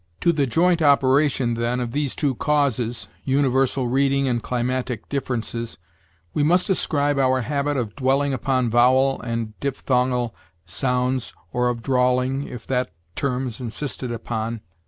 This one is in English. "To the joint operation, then, of these two causes universal reading and climatic influences we must ascribe our habit of dwelling upon vowel and diphthongal sounds, or of drawling, if that term is insisted upon....